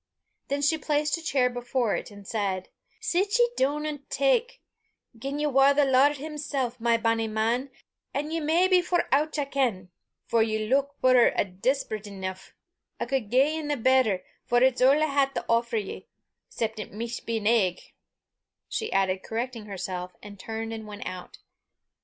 Then she placed a chair before it, and said "Sit ye doon, an' tak. Gien ye war the Lord himsel', my bonnie man, an' ye may be for oucht I ken, for ye luik puir an' despised eneuch, I cud gie nae better, for it's a' I hae to offer ye 'cep it micht be an egg," she added, correcting herself, and turned and went out.